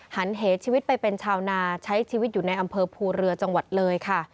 เหชีวิตไปเป็นชาวนาใช้ชีวิตอยู่ในอำเภอภูเรือจังหวัดเลยค่ะ